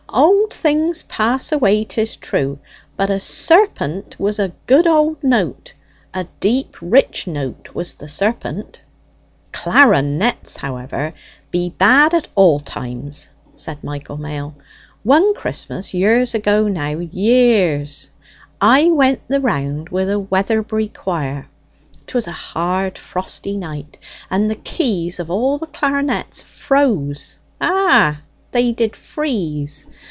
"Old things pass away, 'tis true; but a serpent was a good old note: a deep rich note was the serpent." "Clar'nets, however, be bad at all times," said Michael Mail. "One Christmas years agone now, years I went the rounds wi' the Weatherbury quire. 'Twas a hard frosty night, and the keys of all the clar'nets froze ah, they did freeze!